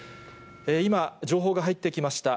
今、情報が入ってきました。